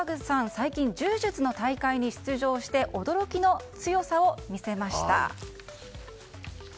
最近、柔術の大会に出場して驚きの強さを見せました。